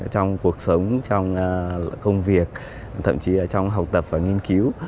trong cuộc sống trong công việc thậm chí là trong học tập và nghiên cứu